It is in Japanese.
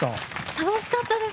楽しかったです。